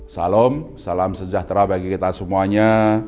salam salam sejahtera bagi kita semuanya